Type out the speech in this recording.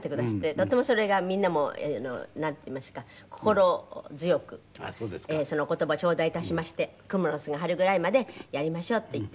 とてもそれがみんなもなんていいますか心強くその言葉頂戴致しまして「クモの巣が張るぐらいまでやりましょう」って言って。